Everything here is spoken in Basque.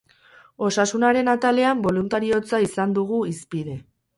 Osasunaren atalean boluntariotza izan dugu hizpide.